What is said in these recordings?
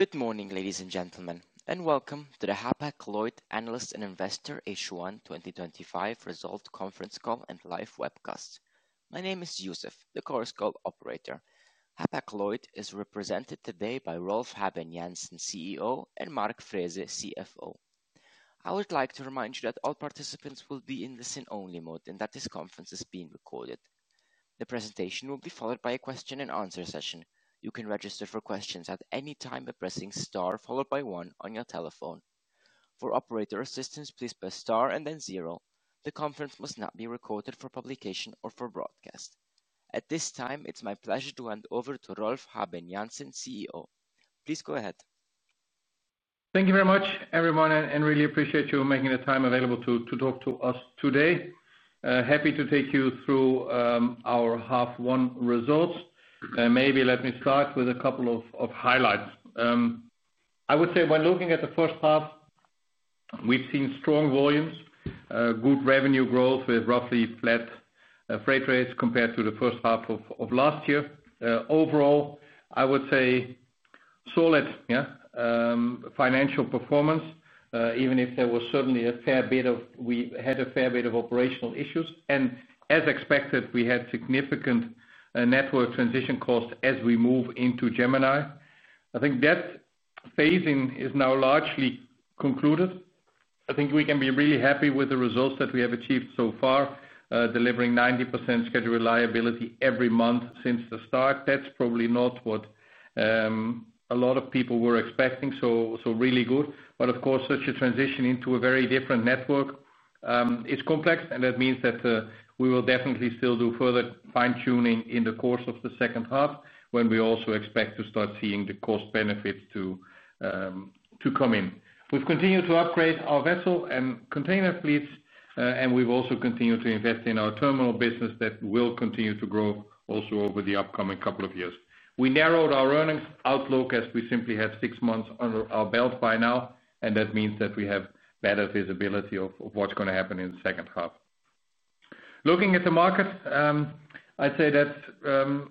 Good morning, ladies and gentlemen, and welcome to the Hapag-Lloyd Analyst and Investor H1 2025 Results Conference Call and Live Webcast. My name is Youssef, the Chorus Call operator. Hapag-Lloyd is represented today by Rolf Habben Jansen, CEO, and Mark Frese, CFO. I would like to remind you that all participants will be in listen-only mode and that this conference is being recorded. The presentation will be followed by a question and answer session. You can register for questions at any time by pressing star followed by one on your telephone. For operator assistance, please press star and then zero. The conference must not be recorded for publication or for broadcast. At this time, it's my pleasure to hand over to Rolf Habben Jansen, CEO. Please go ahead. Thank you very much, everyone, and really appreciate you making the time available to talk to us today. Happy to take you through our half-one results. Maybe let me start with a couple of highlights. I would say when looking at the first half, we've seen strong volumes, good revenue growth with roughly flat freight rates compared to the first half of last year. Overall, I would say solid financial performance, even if there was certainly a fair bit of operational issues. As expected, we had significant network transition costs as we move into the Gemini. I think that phasing is now largely concluded. I think we can be really happy with the results that we have achieved so far, delivering 90% scheduled reliability every month since the start. That's probably not what a lot of people were expecting, so really good. Of course, such a transition into a very different network is complex, and that means that we will definitely still do further fine-tuning in the course of the second half when we also expect to start seeing the cost benefits to come in. We've continued to upgrade our vessel and container fleets, and we've also continued to invest in our terminal business that will continue to grow also over the upcoming couple of years. We narrowed our earnings outlook as we simply have six months under our belt by now, and that means that we have better visibility of what's going to happen in the second half. Looking at the markets, I'd say that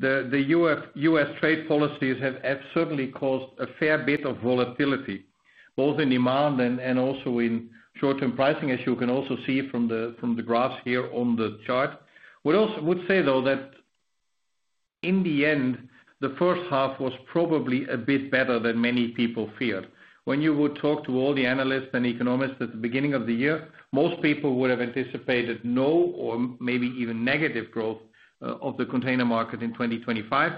the U.S. trade policies have certainly caused a fair bit of volatility, both in demand and also in short-term pricing, as you can also see from the graphs here on the chart. I would also say, though, that in the end, the first half was probably a bit better than many people feared. When you would talk to all the analysts and economists at the beginning of the year, most people would have anticipated no or maybe even negative growth of the container shipping market in 2025.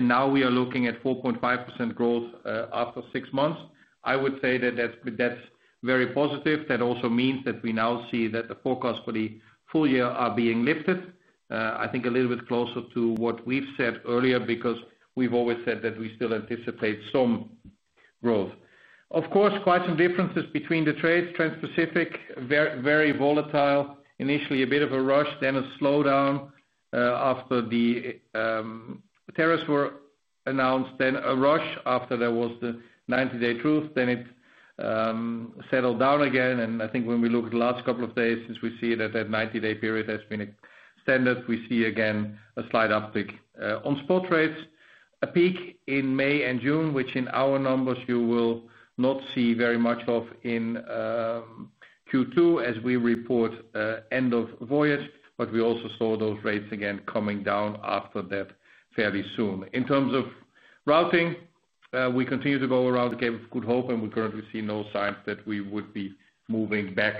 Now we are looking at 4.5% growth after six months. I would say that that's very positive. That also means that we now see that the forecasts for the full year are being lifted. I think a little bit closer to what we've said earlier because we've always said that we still anticipate some growth. Of course, quite some differences between the trades. Transpacific, very, very volatile. Initially, a bit of a rush, then a slowdown after the tariffs were announced, then a rush after there was the 90-day truce, then it settled down again. I think when we look at the last couple of days, since we see that that 90-day period has been standard, we see again a slight uptick on spot rates. A peak in May and June, which in our numbers you will not see very much of in Q2 as we report end of voyage. We also saw those rates again coming down after that fairly soon. In terms of routing, we continue to go around the Cape of Good Hope, and we currently see no signs that we would be moving back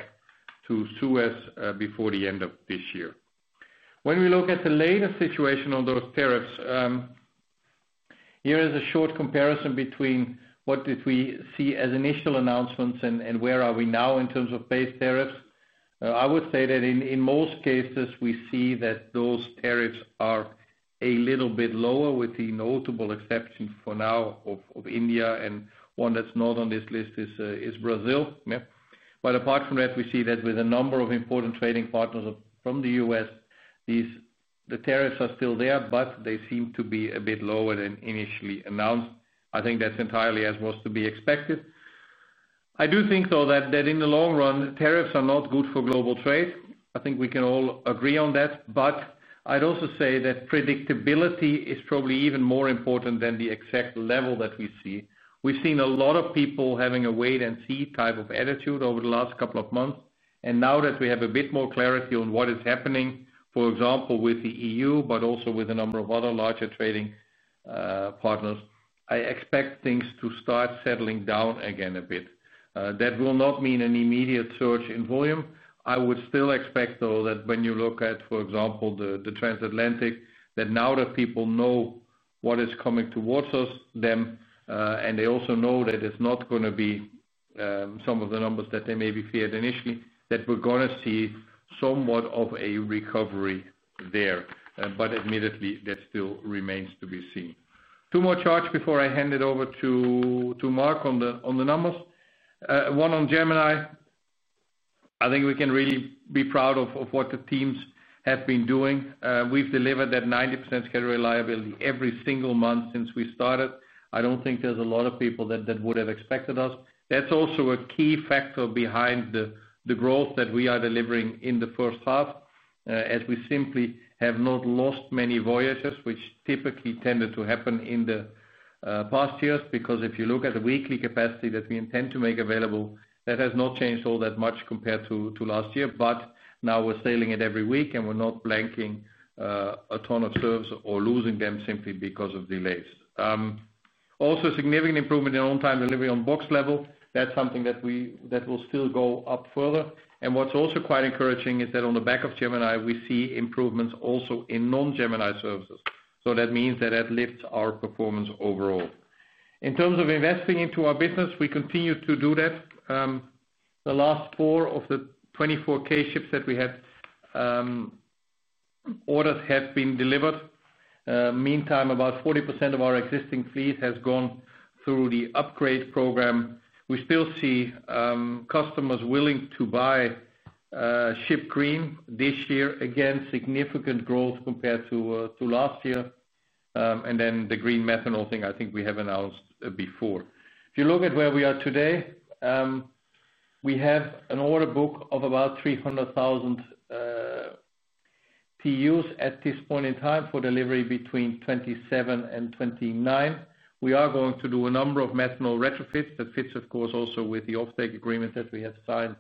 to Suez before the end of this year. When we look at the latest situation on those tariffs, here is a short comparison between what did we see as initial announcements and where are we now in terms of base tariffs. I would say that in most cases, we see that those tariffs are a little bit lower with the notable exceptions for now of India, and one that's not on this list is Brazil. Apart from that, we see that with a number of important trading partners from the U.S., the tariffs are still there, but they seem to be a bit lower than initially announced. I think that's entirely as was to be expected. I do think that in the long run, tariffs are not good for global trade. I think we can all agree on that. I'd also say that predictability is probably even more important than the exact level that we see. We've seen a lot of people having a wait-and-see type of attitude over the last couple of months. Now that we have a bit more clarity on what is happening, for example, with the EU, but also with a number of other larger trading partners, I expect things to start settling down again a bit. That will not mean an immediate surge in volume. I would still expect that when you look at, for example, the Transatlantic, that now that people know what is coming towards us, them, and they also know that it's not going to be some of the numbers that they may have feared initially, that we're going to see somewhat of a recovery there, but admittedly, that still remains to be seen. Two more charts before I hand it over to Mark on the numbers. One on Gemini. I think we can really be proud of what the teams have been doing. We've delivered that 90% scheduled reliability every single month since we started. I don't think there's a lot of people that would have expected us. That's also a key factor behind the growth that we are delivering in the first half, as we simply have not lost many voyages, which typically tended to happen in the past years. Because if you look at the weekly capacity that we intend to make available, that has not changed all that much compared to last year. Now we're sailing it every week, and we're not blanking a ton of services or losing them simply because of delays. There is also a significant improvement in on-time delivery on box level. That's something that will still go up further. What's also quite encouraging is that on the back of Gemini, we see improvements also in non-Gemini services. That means that lifts our performance overall. In terms of investing into our business, we continue to do that. The last four of the 24k ships that we had orders for have been delivered. In the meantime, about 40% of our existing fleet has gone through the upgrade program. We still see customers willing to buy, Ship Green this year. Again, significant growth compared to last year. The green methanol thing I think we have announced before. If you look at where we are today, we have an order book of about 300,000 TEUs at this point in time for delivery between 2027 and 2029. We are going to do a number of methanol retrofits that fits, of course, also with the offtake agreement that we have signed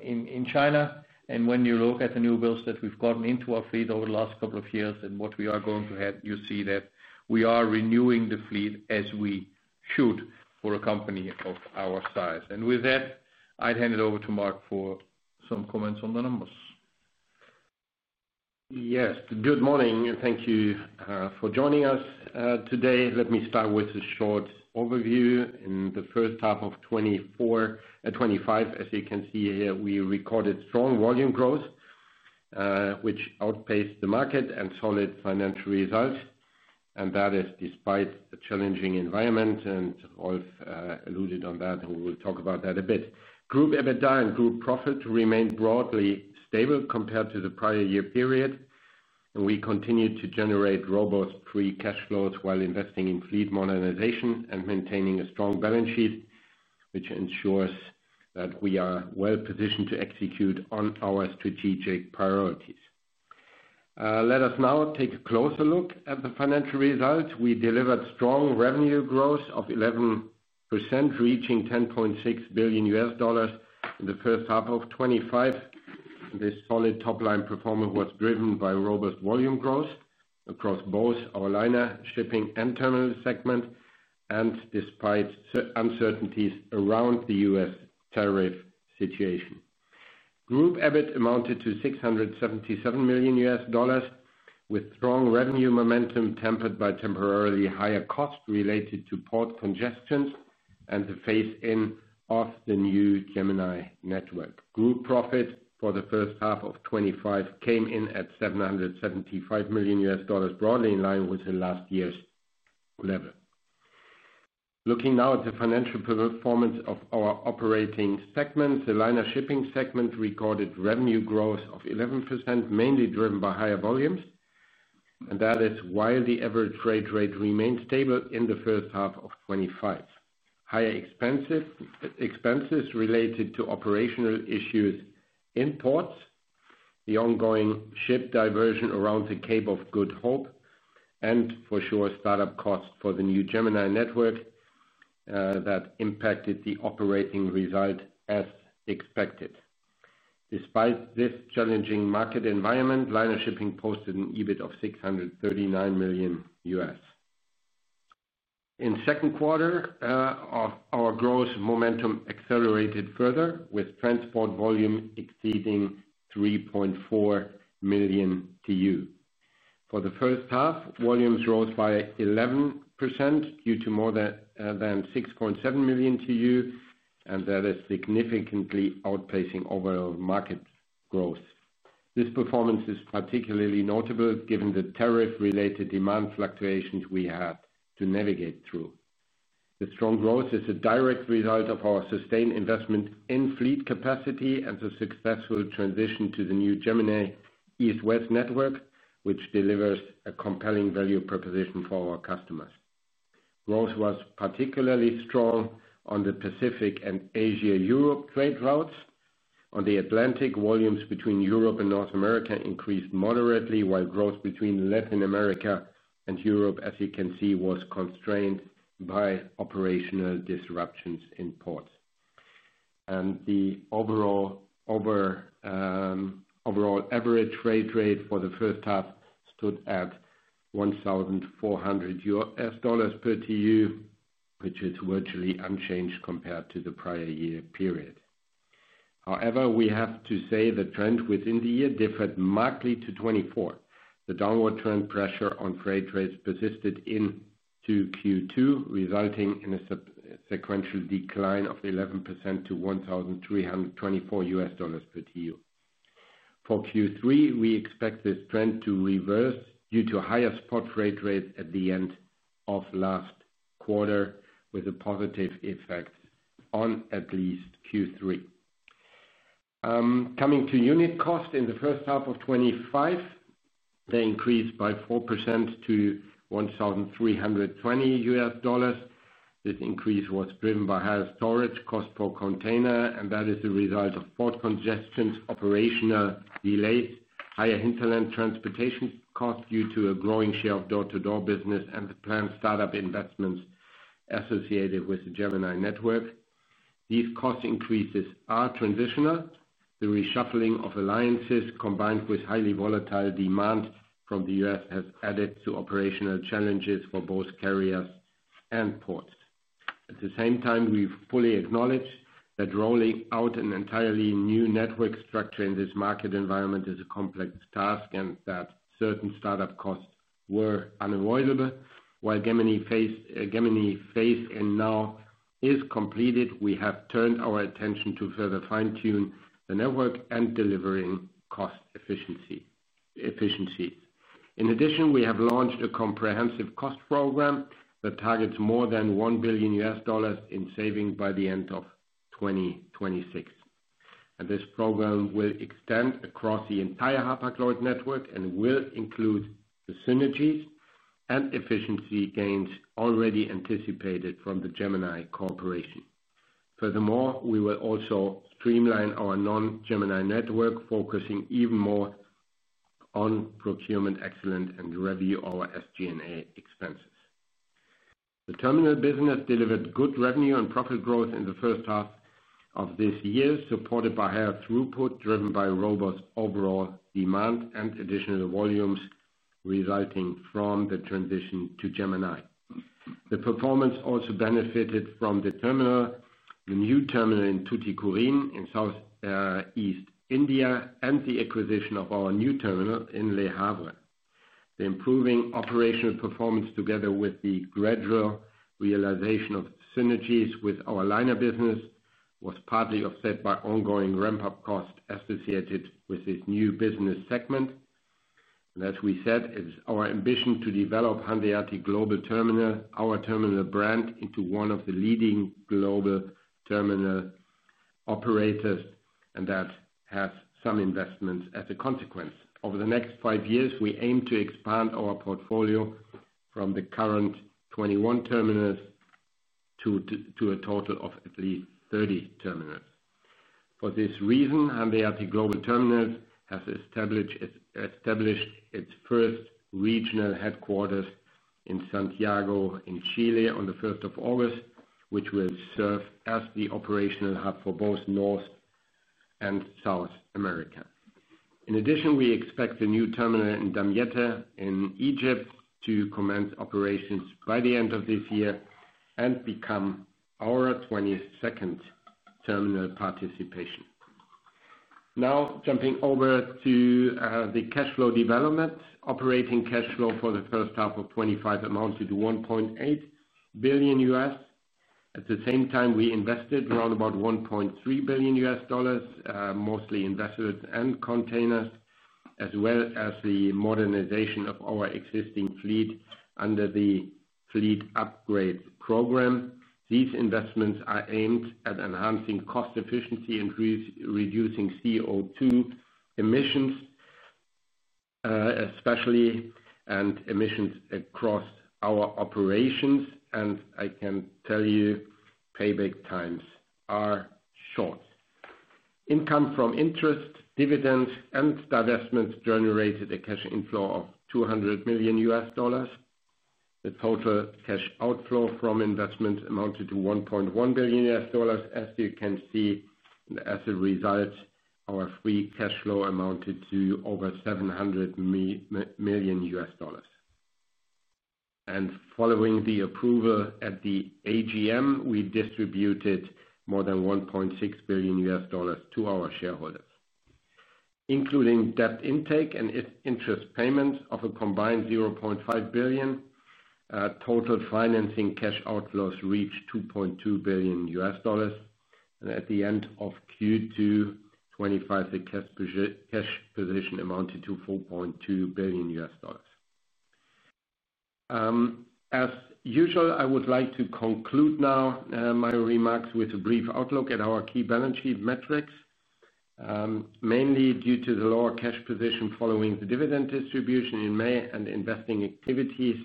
in China. When you look at the new builds that we've gotten into our fleet over the last couple of years and what we are going to have, you see that we are renewing the fleet as we should for a company of our size. With that, I'd hand it over to Mark for some comments on the numbers. Yes. Good morning, and thank you for joining us today. Let me start with a short overview. In the first half of 2024, as you can see here, we recorded strong volume growth, which outpaced the market and solid financial results. That is despite a challenging environment, and Rolf alluded to that, and we will talk about that a bit. Group EBITDA and group profit remained broadly stable compared to the prior year period. We continue to generate robust free cash flows while investing in fleet modernization and maintaining a strong balance sheet, which ensures that we are well positioned to execute on our strategic priorities. Let us now take a closer look at the financial results. We delivered strong revenue growth of 11%, reaching $10.6 billion in the first half of 2024. This solid top-line performance was driven by robust volume growth across both our liner shipping and terminal segments, despite uncertainties around the U.S. tariff situation. Group EBIT amounted to $677 million, with strong revenue momentum tempered by temporarily higher costs related to port congestions and the phase-in of the new Gemini network. Group profit for the first half of 2025 came in at $775 million, broadly in line with last year's level. Looking now at the financial performance of our operating segments, the liner shipping segment recorded revenue growth of 11%, mainly driven by higher volumes. That is while the average freight rate remained stable in the first half of 2024. Higher expenses related to operational issues in ports, the ongoing ship diversion around the Cape of Good Hope, and for sure, startup costs for the new Gemini network impacted the operating result as expected. Despite this challenging market environment, liner shipping posted an EBIT of $639 million. In the second quarter, our growth momentum accelerated further, with transport volume exceeding 3.4 million TEU. For the first half, volumes rose by 11% to more than 6.7 million TEU, and that is significantly outpacing overall market growth. This performance is particularly notable given the tariff-related demand fluctuations we had to navigate through. The strong growth is a direct result of our sustained investment in fleet capacity and the successful transition to the new Gemini East-West network, which delivers a compelling value proposition for our customers. Growth was particularly strong on the Pacific and Asia-Europe trade routes. On the Atlantic, volumes between Europe and North America increased moderately, while growth between Latin America and Europe, as you can see, was constrained by operational disruptions in ports. The overall average freight rate for the first half stood at $1,400 per TEU, which is virtually unchanged compared to the prior year period. However, we have to say the trend within the year differed markedly to 2024. The downward trend pressure on freight rates persisted into Q2, resulting in a sequential decline of 11% to $1,324 per TEU. For Q3, we expect this trend to reverse due to higher spot freight rates at the end of last quarter, with a positive effect on at least Q3. Coming to unit costs in the first half of 2025, they increased by 4% to $1,320 per TEU. This increase was driven by higher storage costs per container, and that is a result of port congestions, operational delays, higher hinterland transportation costs due to a growing share of door-to-door business, and the planned startup investments associated with the Gemini network. These cost increases are transitional. The reshuffling of alliances combined with highly volatile demand from the U.S. has added to operational challenges for both carriers and ports. At the same time, we fully acknowledge that rolling out an entirely new network structure in this market environment is a complex task and that certain startup costs were unavoidable. While the Gemini phase is now completed, we have turned our attention to further fine-tune the network and delivering cost efficiencies. In addition, we have launched a comprehensive cost program that targets more than $1 billion in savings by the end of 2026. This program will extend across the entire Hapag-Lloyd network and will include the synergies and efficiency gains already anticipated from the Gemini Corporation. Furthermore, we will also streamline our non-Gemini network, focusing even more on procurement excellence and review of our SG&A expenses. The terminal business delivered good revenue and profit growth in the first half of this year, supported by higher throughput driven by robust overall demand and additional volumes resulting from the transition to Gemini. The performance also benefited from the new terminal in Tuticorin in Southeast India, and the acquisition of our new terminal in Le Havre. The improving operational performance, together with the gradual realization of synergies with our liner business, was partly offset by ongoing ramp-up costs associated with this new business segment. It is our ambition to develop Hanseatic Global Terminal, our terminal brand, into one of the leading global terminal operators, and that has some investments as a consequence. Over the next five years, we aim to expand our portfolio from the current 21 terminals to a total of at least 30 terminals. For this reason, Hanseatic Global Terminals has established its first regional headquarters in Santiago, Chile, on 1st of August, which will serve as the operational hub for both North and South America. In addition, we expect the new terminal in Damiette, Egypt, to commence operations by the end of this year and become our 22nd terminal participation. Now, jumping over to the cash flow development, operating cash flow for the first half of 2025 amounted to $1.8 billion. At the same time, we invested around $1.3 billion, mostly invested in containers, as well as the modernization of our existing fleet under the fleet upgrade program. These investments are aimed at enhancing cost efficiency and reducing CO2 emissions, especially, and emissions across our operations. I can tell you, payback times are short. Income from interest, dividends, and divestments generated a cash inflow of $200 million. The total cash outflow from investments amounted to $1.1 billion. As you can see, as a result, our free cash flow amounted to over $700 million. Following the approval at the AGM, we distributed more than $1.6 billion to our shareholders, including debt intake and interest payments of a combined $0.5 billion. Total financing cash outflows reached $2.2 billion. At the end of Q2 2025, the cash position amounted to $4.2 billion. As usual, I would like to conclude now my remarks with a brief outlook at our key balance sheet metrics, mainly due to the lower cash position following the dividend distribution in May and investing activities.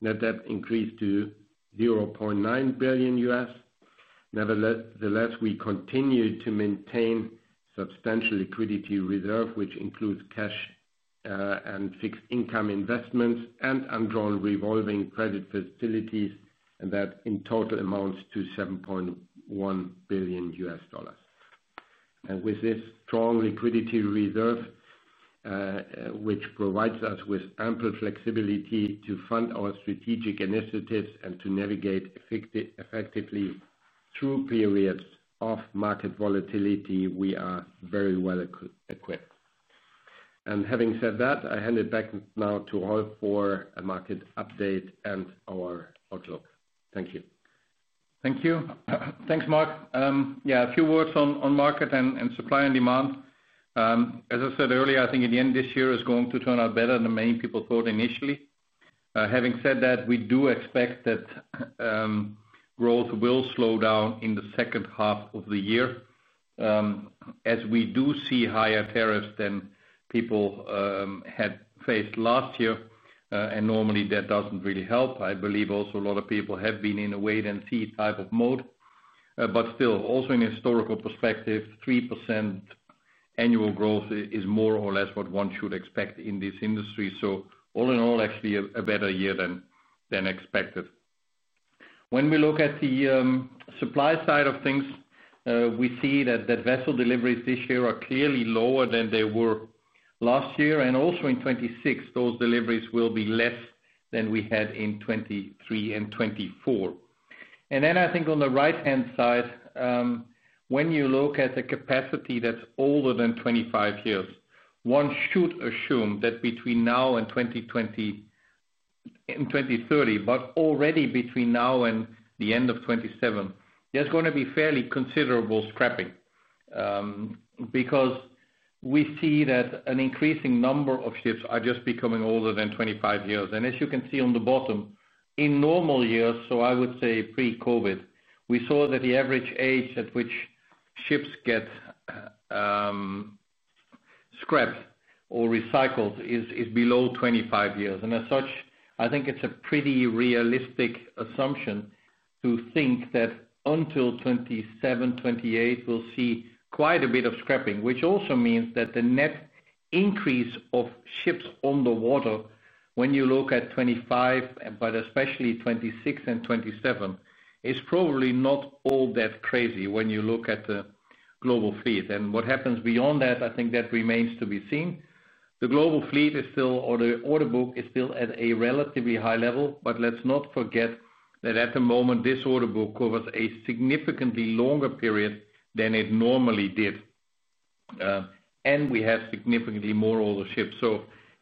The debt increased to $0.9 billion. Nevertheless, we continue to maintain substantial liquidity reserve, which includes cash and fixed income investments and undrawn revolving credit facilities. That in total amounts to $7.1 billion. With this strong liquidity reserve, which provides us with ample flexibility to fund our strategic initiatives and to navigate effectively through periods of market volatility, we are very well equipped. Having said that, I hand it back now to Rolf for a market update and our outlook. Thank you. Thank you. Thanks, Mark. Yeah, a few words on market and supply and demand. As I said earlier, I think at the end of this year it is going to turn out better than many people thought initially. Having said that, we do expect that growth will slow down in the second half of the year, as we do see higher tariffs than people had faced last year. Normally, that doesn't really help. I believe also a lot of people have been in a wait-and-see type of mode. Still, also in a historical perspective, 3% annual growth is more or less what one should expect in this industry. All in all, actually a better year than expected. When we look at the supply side of things, we see that vessel deliveries this year are clearly lower than they were last year. Also in 2026, those deliveries will be less than we had in 2023 and 2024. I think on the right-hand side, when you look at the capacity that's older than 25 years, one should assume that between now and 2030, but already between now and the end of 2027, there's going to be fairly considerable scrapping. We see that an increasing number of ships are just becoming older than 25 years. As you can see on the bottom, in normal years, so I would say pre-COVID, we saw that the average age at which ships get scrapped or recycled is below 25 years. As such, I think it's a pretty realistic assumption to think that until 2027, 2028, we'll see quite a bit of scrapping, which also means that the net increase of ships on the water, when you look at 2025, but especially 2026 and 2027, is probably not all that crazy when you look at the global fleet. What happens beyond that, I think that remains to be seen. The global fleet is still, or the order book is still at a relatively high level, but let's not forget that at the moment, this order book covers a significantly longer period than it normally did. We have significantly more older ships.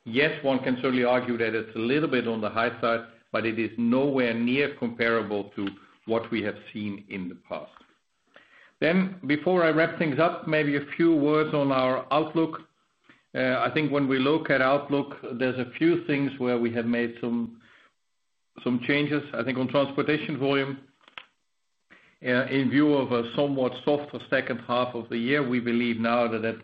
Yes, one can certainly argue that it's a little bit on the high side, but it is nowhere near comparable to what we have seen in the past. Before I wrap things up, maybe a few words on our outlook. I think when we look at outlook, there's a few things where we have made some changes. I think on transportation volume, in view of a somewhat softer second half of the year, we believe now that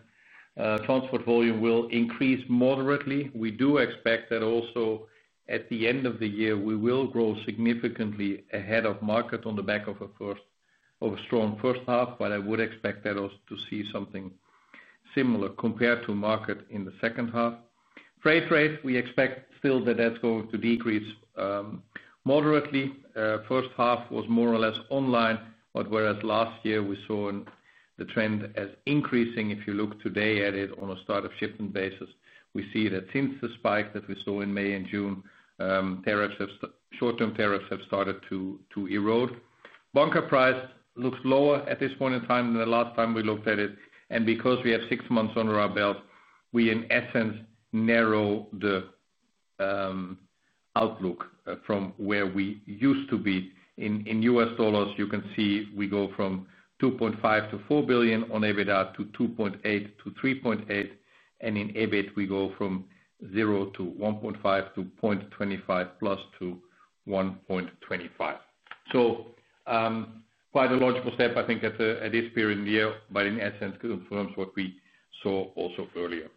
transport volume will increase moderately. We do expect that also at the end of the year, we will grow significantly ahead of market on the back of a strong first half. I would expect that also to see something similar compared to market in the second half. Freight rates, we expect still that that's going to decrease moderately. First half was more or less in line, but whereas last year we saw the trend as increasing, if you look today at it on a startup shipment basis, we see that since the spike that we saw in May and June, short-term tariffs have started to erode. Bunker price looks lower at this point in time than the last time we looked at it. Because we have six months under our belt, we in essence narrow the outlook from where we used to be. In U.S. dollars, you can see we go from $2.5 billion-$4 billion on EBITDA to $2.8 billion-$3.8 billion. In EBIT, we go from $0-$1.5 billion to $0.25 billion+ to $1.25 billion. Quite a logical step, I think, at this period in the year, but in essence confirms what we saw also earlier.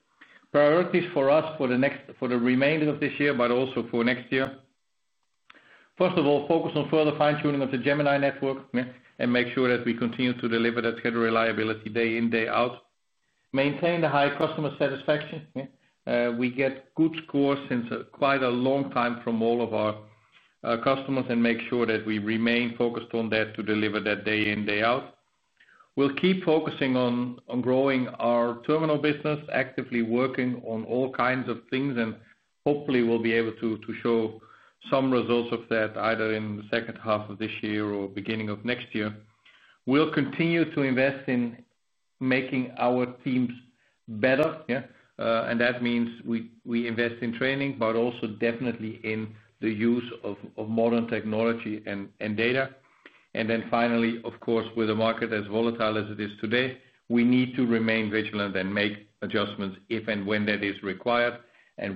Priorities for us for the remainder of this year, but also for next year. First of all, focus on further fine-tuning of the Gemini network and make sure that we continue to deliver that scheduled reliability day in, day out. Maintain the high customer satisfaction. We get good scores since quite a long time from all of our customers and make sure that we remain focused on that to deliver that day in, day out. We'll keep focusing on growing our terminal business, actively working on all kinds of things, and hopefully we'll be able to show some results of that either in the second half of this year or beginning of next year. We'll continue to invest in making our teams better. That means we invest in training, but also definitely in the use of modern technology and data. Finally, of course, with a market as volatile as it is today, we need to remain vigilant and make adjustments if and when that is required.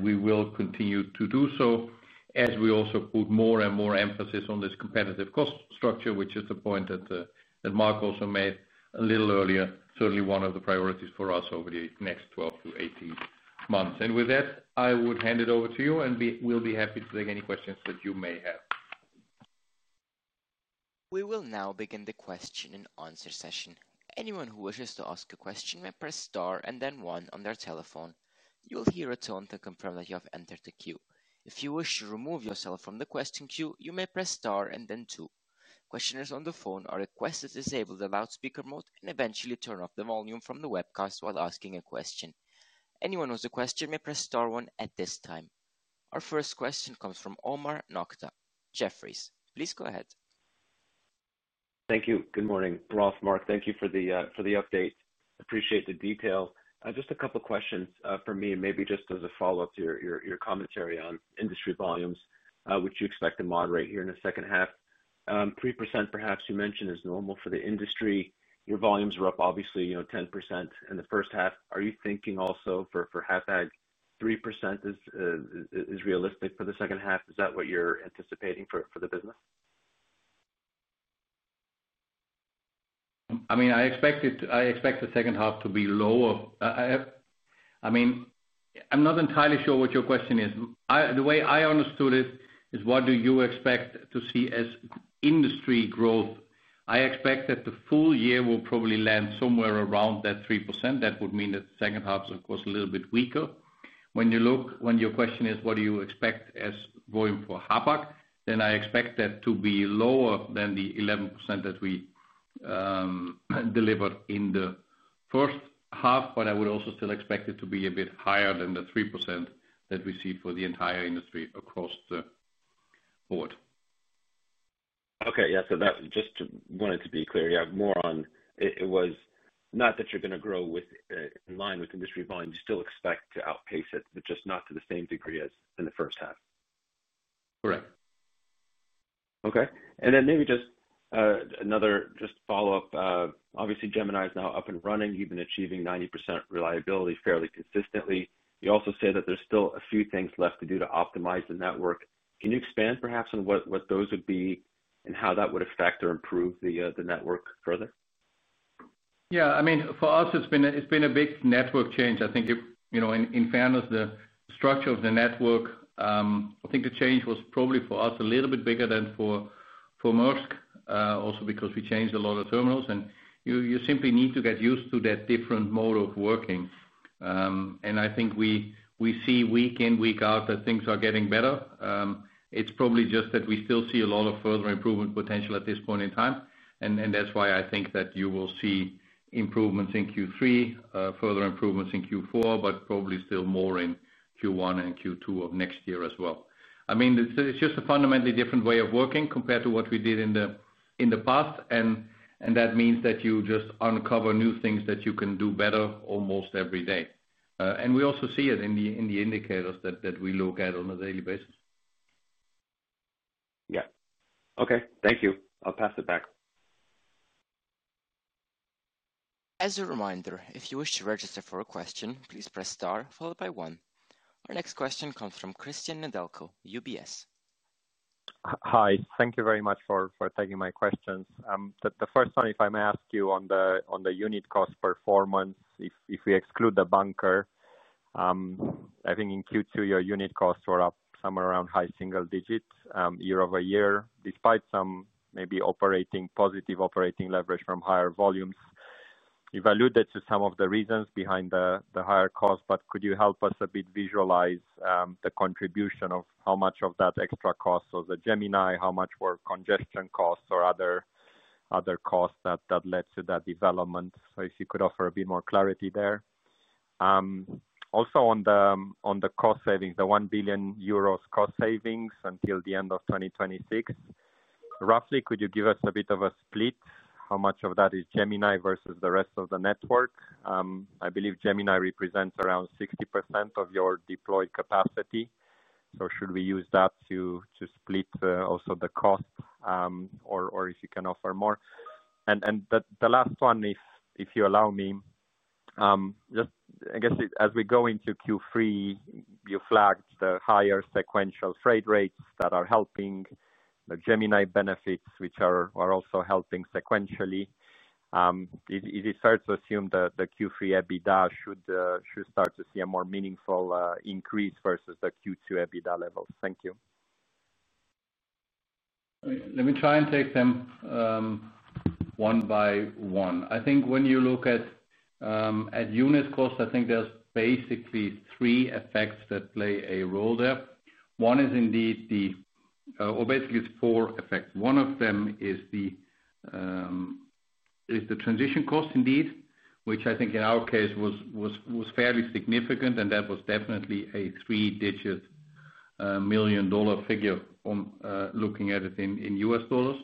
We will continue to do so as we also put more and more emphasis on this competitive cost structure, which is the point that Mark also made a little earlier. Certainly, one of the priorities for us over the next 12-18 months. With that, I would hand it over to you, and we'll be happy to take any questions that you may have. We will now begin the question and answer session. Anyone who wishes to ask a question may press star and then one on their telephone. You'll hear a tone to confirm that you have entered the queue. If you wish to remove yourself from the question queue, you may press star and then two. Questioners on the phone are requested to disable the loudspeaker mode and eventually turn up the volume from the webcast while asking a question. Anyone who has a question may press star one at this time. Our first question comes from Omar Nokta, Jefferies. Please go ahead. Thank you. Good morning, Rolf, Mark. Thank you for the update. Appreciate the detail. Just a couple of questions for me, maybe just as a follow-up to your commentary on industry volumes, which you expect to moderate here in the second half. 3% perhaps, you mentioned, is normal for the industry. Your volumes were up, obviously, you know, 10% in the first half. Are you thinking also for Hapag 3% is realistic for the second half? Is that what you're anticipating for the business? I expect the second half to be lower. I'm not entirely sure what your question is. The way I understood it is what do you expect to see as industry growth? I expect that the full year will probably land somewhere around that 3%. That would mean that the second half is, of course, a little bit weaker. When you look, when your question is what do you expect as volume for Hapag, then I expect that to be lower than the 11% that we delivered in the first half, but I would also still expect it to be a bit higher than the 3% that we see for the entire industry across the board. Okay. Yeah, just wanted to be clear. Yeah, more on it was not that you're going to grow in line with industry volume. You still expect to outpace it, but just not to the same degree as in the first half. Correct. Okay. Maybe just another follow-up. Obviously, Gemini is now up and running, even achieving 90% reliability fairly consistently. You also say that there's still a few things left to do to optimize the network. Can you expand perhaps on what those would be and how that would affect or improve the network further? Yeah. For us, it's been a big network change. In fairness, the structure of the network, the change was probably for us a little bit bigger than for Maersk, also because we changed a lot of terminals, and you simply need to get used to that different mode of working. We see week in, week out that things are getting better. It's probably just that we still see a lot of further improvement potential at this point in time. That's why I think that you will see improvements in Q3, further improvements in Q4, but probably still more in Q1 and Q2 of next year as well. It's just a fundamentally different way of working compared to what we did in the past. That means you just uncover new things that you can do better almost every day. We also see it in the indicators that we look at on a daily basis. Yeah, okay. Thank you. I'll pass it back. As a reminder, if you wish to register for a question, please press star followed by one. Our next question comes from Cristian Nedelcu, UBS. Hi. Thank you very much for taking my questions. The first one, if I may ask you, on the unit cost performance, if we exclude the bunker, I think in Q2, your unit costs were up somewhere around high single digits year-over-year, despite some maybe positive operating leverage from higher volumes. You alluded to some of the reasons behind the higher cost, but could you help us a bit visualize the contribution of how much of that extra cost was the Gemini, how much were congestion costs or other costs that led to that development? If you could offer a bit more clarity there. Also, on the cost savings, the 1 billion euros cost savings until the end of 2026, roughly, could you give us a bit of a split? How much of that is Gemini versus the rest of the network? I believe Gemini represents around 60% of your deployed capacity. Should we use that to split also the cost, or if you can offer more? The last one, if you allow me, just I guess as we go into Q3, you flagged the higher sequential freight rates that are helping, the Gemini benefits, which are also helping sequentially. Is it fair to assume that the Q3 EBITDA should start to see a more meaningful increase versus the Q2 EBITDA levels? Thank you. Let me try and take them one by one. I think when you look at unit costs, I think there's basically three effects that play a role there. One is indeed the, or basically it's four effects. One of them is the transition cost indeed, which I think in our case was fairly significant, and that was definitely a three-digit million-dollar figure looking at it in US dollars.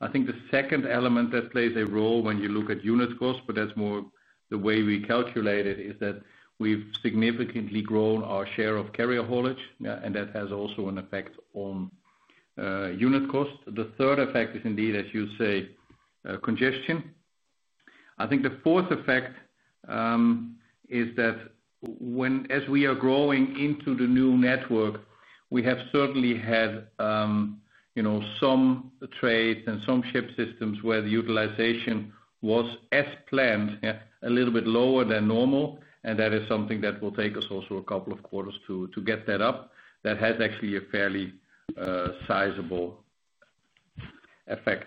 I think the second element that plays a role when you look at unit costs, but that's more the way we calculate it, is that we've significantly grown our share of carrier haulage, and that has also an effect on unit costs. The third effect is indeed, as you say, congestion. I think the fourth effect is that as we are growing into the new network, we have certainly had some trades and some ship systems where the utilization was, as planned, a little bit lower than normal. That is something that will take us also a couple of quarters to get that up. That has actually a fairly sizable effect.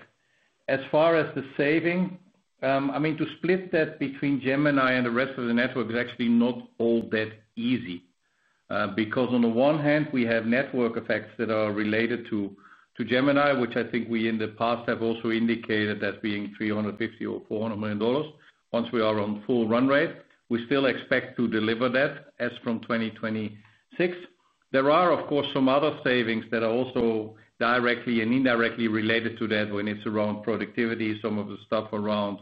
As far as the saving, to split that between Gemini and the rest of the network is actually not all that easy. Because on the one hand, we have network effects that are related to Gemini, which I think we in the past have also indicated that being $350 million or $400 million. Once we are on full run rate, we still expect to deliver that as from 2026. There are, of course, some other savings that are also directly and indirectly related to that when it's around productivity, some of the stuff around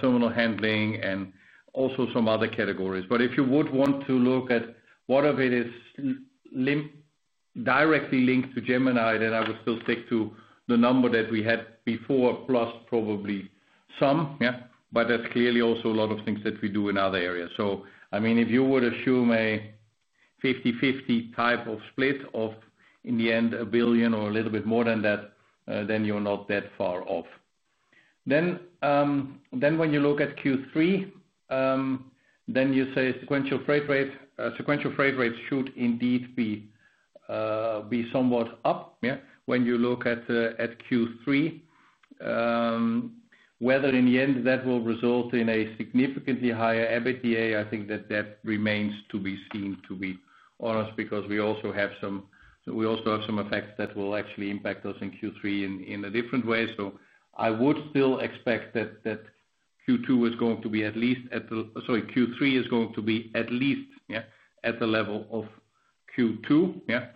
terminal handling, and also some other categories. If you would want to look at what of it is directly linked to Gemini, then I would still stick to the number that we had before plus probably some. Yeah, that's clearly also a lot of things that we do in other areas. If you would assume a 50/50 type of split of, in the end, a billion or a little bit more than that, then you're not that far off. When you look at Q3, you say sequential freight rates should indeed be somewhat up. When you look at Q3, whether in the end that will result in a significantly higher EBITDA, I think that that remains to be seen, to be honest, because we also have some effects that will actually impact us in Q3 in a different way. I would still expect that Q3 is going to be at least at the level of Q2. Yeah,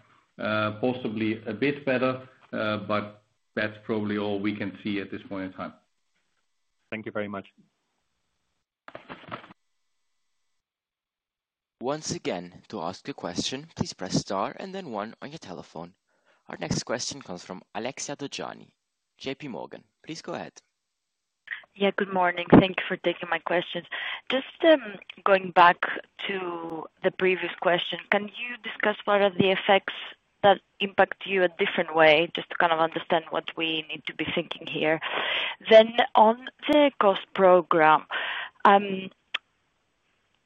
possibly a bit better, but that's probably all we can see at this point in time. Thank you very much. Once again, to ask a question, please press star and then one on your telephone. Our next question comes from Alexia Dogani, JPMorgan. Please go ahead. Yeah, good morning. Thank you for taking my questions. Just going back to the previous question, can you discuss what are the effects that impact you a different way just to kind of understand what we need to be thinking here? On the cost program,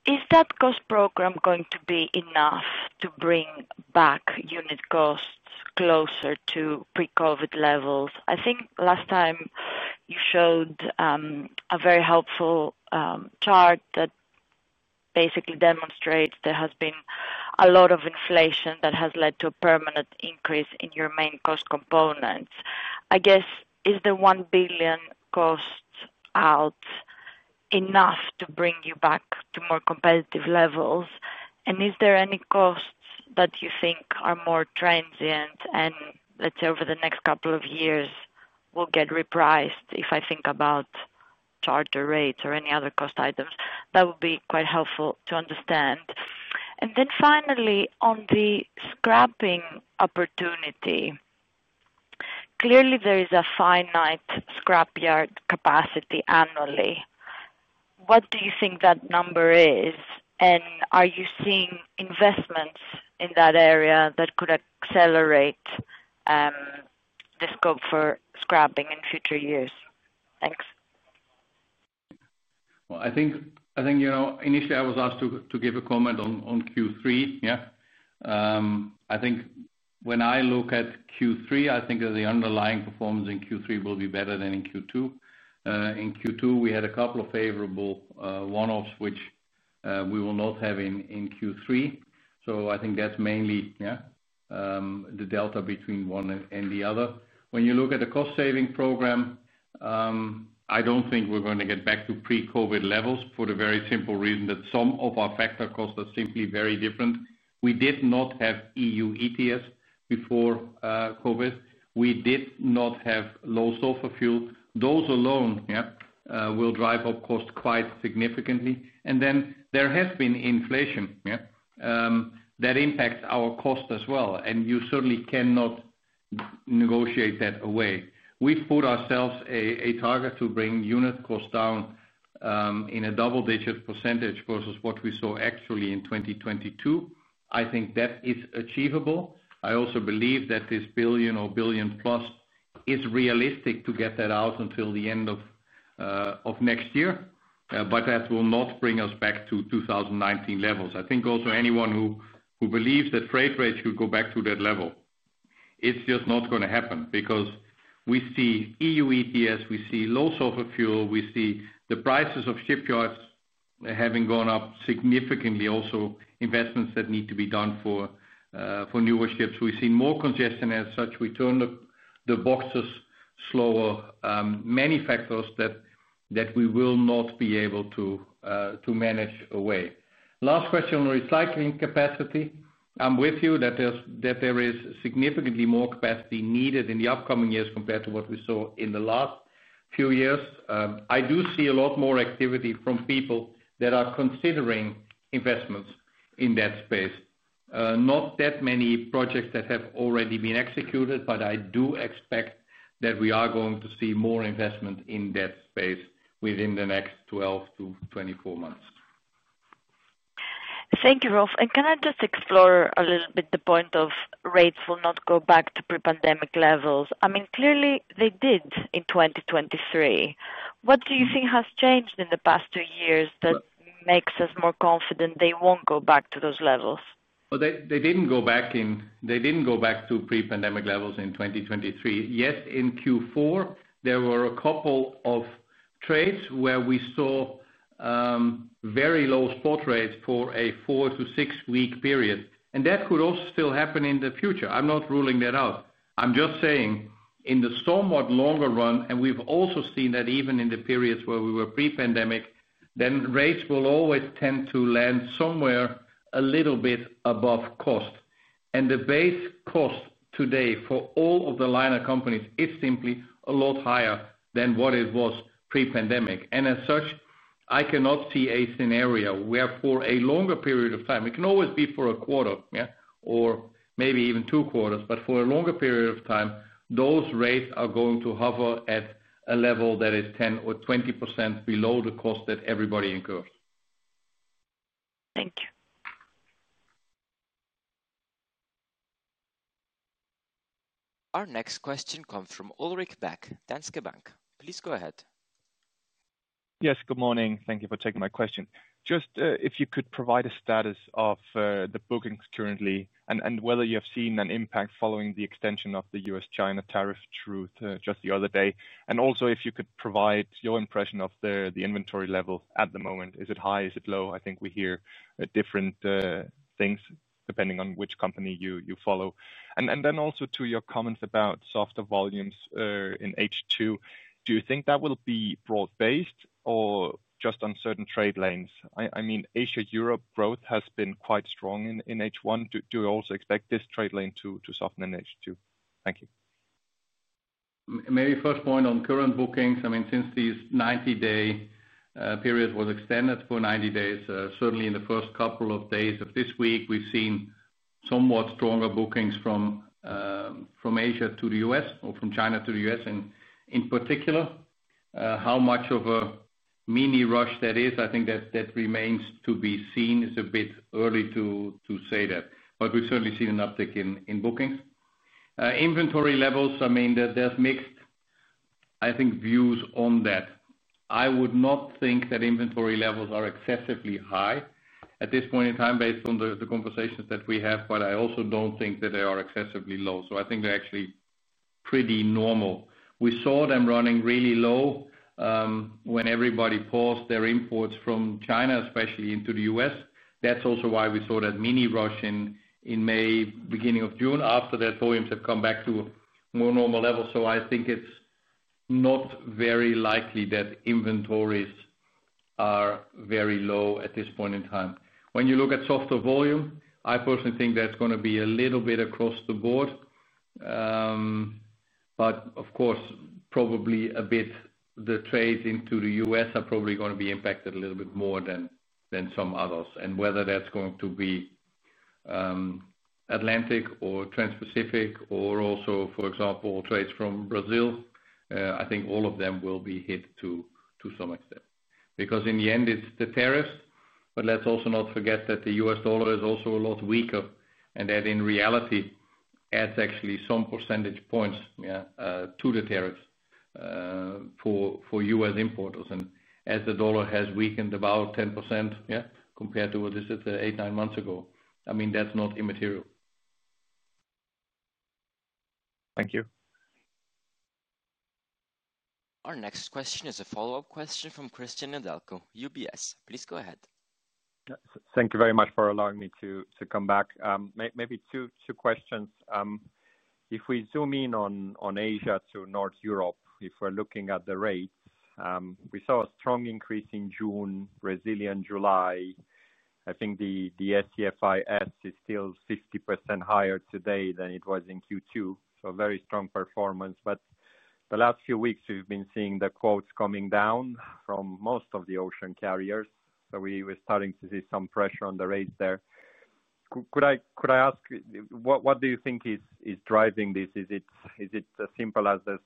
is that cost program going to be enough to bring back unit costs closer to pre-COVID levels? I think last time you showed a very helpful chart that basically demonstrates there has been a lot of inflation that has led to a permanent increase in your main cost components. I guess, is the $1 billion cost out enough to bring you back to more competitive levels? Is there any costs that you think are more transient and, let's say, over the next couple of years will get repriced if I think about charger rates or any other cost items? That would be quite helpful to understand. Finally, on the scrapping opportunity, clearly there is a finite scrapyard capacity annually. What do you think that number is? Are you seeing investments in that area that could accelerate the scope for scrapping in future years? Thanks. I think, you know, initially I was asked to give a comment on Q3. I think when I look at Q3, the underlying performance in Q3 will be better than in Q2. In Q2, we had a couple of favorable one-offs, which we will not have in Q3. I think that's mainly the delta between one and the other. When you look at the cost saving program, I don't think we're going to get back to pre-COVID levels for the very simple reason that some of our factor costs are simply very different. We did not have EU ETS before COVID. We did not have low-sulfur fuel. Those alone will drive up costs quite significantly. There has been inflation that impacts our costs as well, and you certainly cannot negotiate that away. We've put ourselves a target to bring unit costs down in a double-digit percentage versus what we saw actually in 2022. I think that is achievable. I also believe that this billion or billion plus is realistic to get that out until the end of next year, but that will not bring us back to 2019 levels. I think also anyone who believes that freight rates will go back to that level, it's just not going to happen because we see EU ETS, we see low-sulfur fuel, we see the prices of shipyards having gone up significantly. Also, investments that need to be done for newer ships. We've seen more congestion as such. We turn the boxes slower. Many factors that we will not be able to manage away. Last question on recycling capacity. I'm with you that there is significantly more capacity needed in the upcoming years compared to what we saw in the last few years. I do see a lot more activity from people that are considering investments in that space. Not that many projects that have already been executed, but I do expect that we are going to see more investment in that space within the next 12-24 months. Thank you, Rolf. Can I just explore a little bit the point of rates will not go back to pre-pandemic levels? I mean, clearly they did in 2023. What do you think has changed in the past two years that makes us more confident they won't go back to those levels? They didn't go back to pre-pandemic levels in 2023. In Q4, there were a couple of trades where we saw very low spot rates for a four to six-week period. That could also still happen in the future. I'm not ruling that out. I'm just saying in the somewhat longer run, and we've also seen that even in the periods where we were pre-pandemic, rates will always tend to land somewhere a little bit above cost. The base cost today for all of the liner companies is simply a lot higher than what it was pre-pandemic. As such, I cannot see a scenario where for a longer period of time, it can always be for a quarter, yeah, or maybe even two quarters, but for a longer period of time, those rates are going to hover at a level that is 10% or 20% below the cost that everybody incurs. Thank you. Our next question comes from Ulrik Bak, Danske Bank. Please go ahead. Yes, good morning. Thank you for taking my question. If you could provide a status of the bookings currently and whether you have seen an impact following the extension of the U.S.-China tariff truce just the other day. If you could provide your impression of the inventory level at the moment, is it high? Is it low? I think we hear different things depending on which company you follow. Also, to your comments about softer volumes in H2, do you think that will be broad-based or just on certain trade lanes? I mean, Asia-Europe growth has been quite strong in H1. Do you also expect this trade lane to soften in H2? Thank you. Maybe first point on current bookings. Since this 90-day period was extended, it's been 90 days. Certainly, in the first couple of days of this week, we've seen somewhat stronger bookings from Asia to the U.S. or from China to the U.S. In particular, how much of a mini rush that is, I think that remains to be seen. It's a bit early to say that. We've certainly seen an uptick in bookings. Inventory levels, there's mixed, I think, views on that. I would not think that inventory levels are excessively high at this point in time based on the conversations that we have, but I also don't think that they are excessively low. I think they're actually pretty normal. We saw them running really low when everybody paused their imports from China, especially into the U.S. That's also why we saw that mini rush in May, beginning of June. After that, volumes have come back to more normal levels. I think it's not very likely that inventories are very low at this point in time. When you look at softer volume, I personally think that's going to be a little bit across the board. Of course, probably a bit the trades into the U.S. are probably going to be impacted a little bit more than some others. Whether that's going to be Atlantic or Transpacific or also, for example, trades from Brazil, I think all of them will be hit to some extent. In the end, it's the tariffs. Let's also not forget that the U.S. dollar is also a lot weaker. In reality, that adds actually some percentage points to the tariffs for U.S. importers. As the dollar has weakened about 10% compared to what this is eight, nine months ago, that's not immaterial. Thank you. Our next question is a follow-up question from Cristian Nedelcu, UBS. Please go ahead. Thank you very much for allowing me to come back. Maybe two questions. If we zoom in on Asia to North Europe, if we're looking at the rates, we saw a strong increase in June, Brazilian July. I think the SCFIs is still 50% higher today than it was in Q2. So a very strong performance. The last few weeks, we've been seeing the quotes coming down from most of the ocean carriers. We were starting to see some pressure on the rates there. Could I ask, what do you think is driving this? Is it as simple as this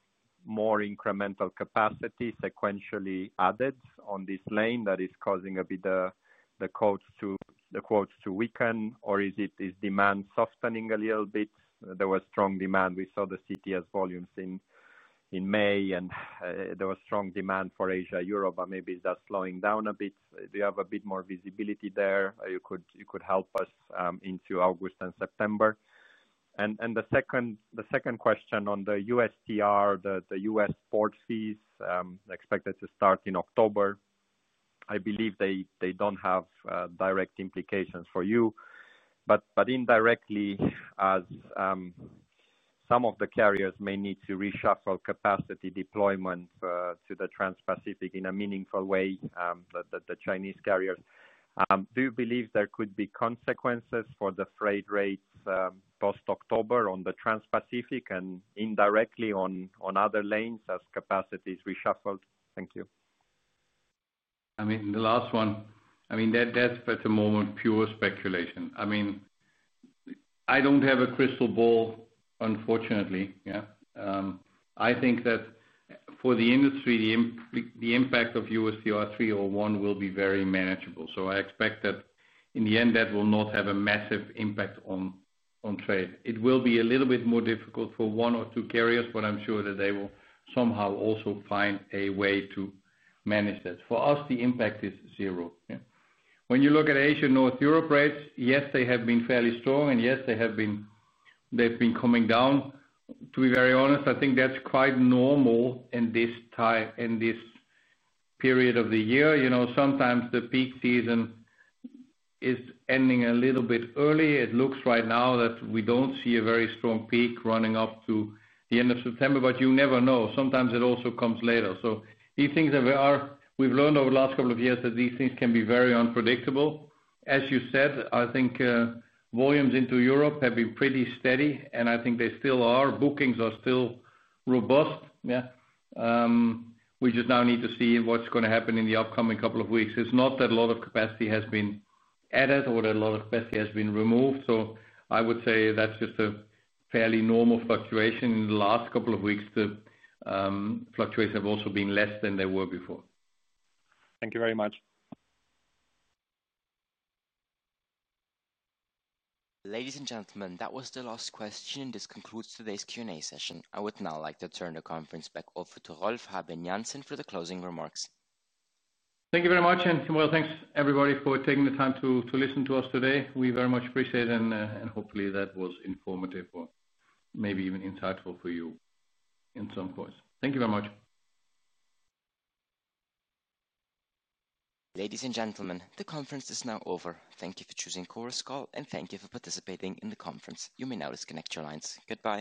more incremental capacity sequentially added on this lane that is causing a bit the quotes to weaken, or is it this demand softening a little bit? There was strong demand. We saw the CTS volumes in May, and there was strong demand for Asia-Europe, but maybe it's just slowing down a bit. Do you have a bit more visibility there? You could help us into August and September. The second question on the USTR, the U.S. port fees, I expect it to start in October. I believe they don't have direct implications for you. Indirectly, as some of the carriers may need to reshuffle capacity deployment to the Transpacific in a meaningful way, the Chinese carriers. Do you believe there could be consequences for the freight rates post-October on the Transpacific and indirectly on other lanes as capacity is reshuffled? Thank you. The last one, that's for the moment pure speculation. I don't have a crystal ball, unfortunately. I think that for the industry, the impact of USTR 301 will be very manageable. I expect that in the end, that will not have a massive impact on trade. It will be a little bit more difficult for one or two carriers, but I'm sure that they will somehow also find a way to manage this. For us, the impact is zero. When you look at Asia-North Europe rates, yes, they have been fairly strong and yes, they have been coming down. To be very honest, I think that's quite normal in this period of the year. Sometimes the peak season is ending a little bit early. It looks right now that we don't see a very strong peak running up to the end of September, but you never know. Sometimes it also comes later. These things that we are, we've learned over the last couple of years that these things can be very unpredictable. As you said, I think volumes into Europe have been pretty steady and I think they still are. Bookings are still robust. We just now need to see what's going to happen in the upcoming couple of weeks. It's not that a lot of capacity has been added or that a lot of capacity has been removed. I would say that's just a fairly normal fluctuation. In the last couple of weeks, the fluctuations have also been less than they were before. Thank you very much. Ladies and gentlemen, that was the last question, and this concludes today's Q&A session. I would now like to turn the conference back over to Rolf Habben Jansen for the closing remarks. Thank you very much. Thank you, everybody, for taking the time to listen to us today. We very much appreciate it, and hopefully that was informative or maybe even insightful for you in some points. Thank you very much. Ladies and gentlemen, the conference is now over. Thank you for choosing Chorus Call, and thank you for participating in the conference. You may now disconnect your lines. Goodbye.